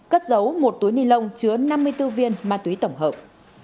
cất giấu một túi nilon chứa năm mươi bốn viên ma túy tổng hợp